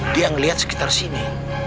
dia ngeliat sekitar sini